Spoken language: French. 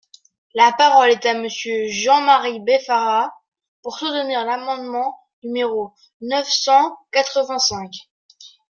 La parole est à Monsieur Jean-Marie Beffara, pour soutenir l’amendement numéro neuf cent quatre-vingt-cinq.